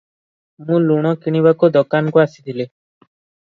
ମୁଁ ଲୁଣ କିଣିବାକୁ ଦୋକାନକୁ ଆସିଥିଲି ।